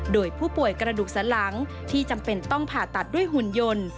โดยผู้ป่วยกระดูกสันหลังที่จำเป็นต้องผ่าตัดด้วยหุ่นยนต์